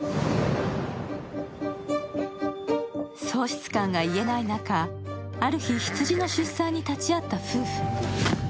喪失感が癒えない中、ある日、羊の出産に立ち会った夫婦。